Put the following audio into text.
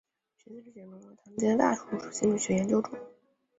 实验心理学已经融入了当今的大多数心理学研究中。